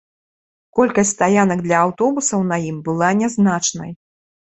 Колькасць стаянак для аўтобусаў на ім была нязначнай.